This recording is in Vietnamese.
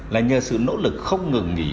là nhờ sự nỗ lực không ngừng nghỉ